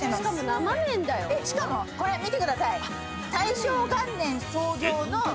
しかもこれ見てください。